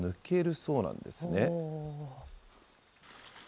そうなんですね。